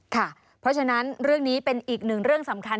ค่ะเพราะฉะนั้นเรื่องนี้เป็นอีกหนึ่งเรื่องสำคัญ